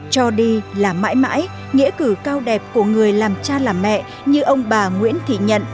cho đi là mãi mãi nghĩa cử cao đẹp của người làm cha làm mẹ như ông bà nguyễn thị nhận